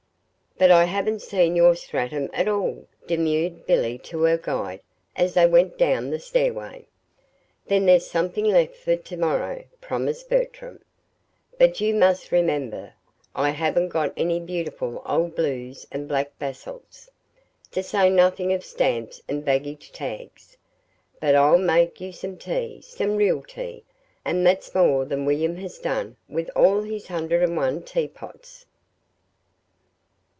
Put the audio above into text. "But I haven't seen your stratum at all," demurred Billy to her guide, as they went down the stairway. "Then there's something left for to morrow," promised Bertram; "but you must remember, I haven't got any beautiful 'Old Blues' and 'black basalts,' to say nothing of stamps and baggage tags. But I'll make you some tea some real tea and that's more than William has done, with all his hundred and one teapots!"